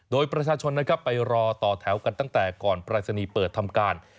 โดยประชาชนนะครับไปรอต่อแถวกันตั้งแต่ก่อนปรายศนีย์เปิดทำการ